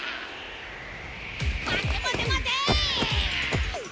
待て待て待て！